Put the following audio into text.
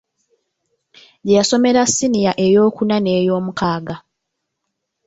Gye yasomera ssiniya eyookuna n’eyoomukaaga.